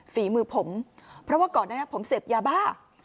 ฝีมือผมเพราะว่าก่อนนั้นผมเสพยาบ้า